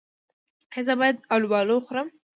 ایا زه باید الوبالو وخورم؟